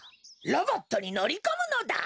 ロボットにのりこむのだ。